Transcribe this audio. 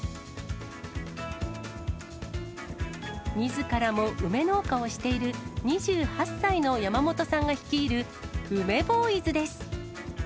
みずからも梅農家をしている２８歳の山本さんが率いる、梅ボーイズです。